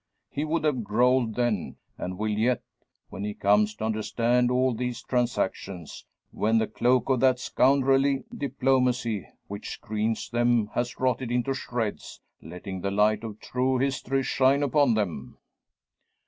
He would have growled then, and will yet, when he comes to understand all these transactions; when the cloak of that scoundrelly diplomacy which screens them has rotted into shreds, letting the light of true history shine upon them."